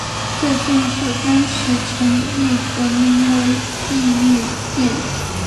在建设当时成巽阁名为巽御殿。